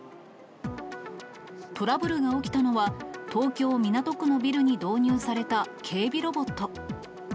トラブルが起きたのは、東京・港区のビルに導入された警備ロボット。